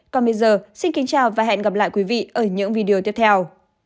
còn bây giờ xin kính chào và hẹn gặp lại quý vị ở những video tiếp theo